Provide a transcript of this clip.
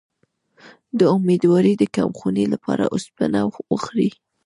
د امیدوارۍ د کمخونی لپاره اوسپنه وخورئ